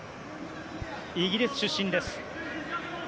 イギリス出身です。